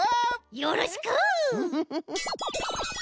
よろしく！